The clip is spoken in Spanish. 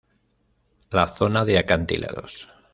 La zona de acantilados.